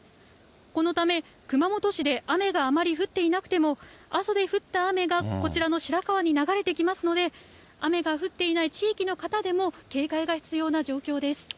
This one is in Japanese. このため、熊本市で雨があまり降っていなくても、阿蘇で降った雨がこちらの白川に流れてきますので、雨が降っていない地域の方でも警戒が必要な状況です。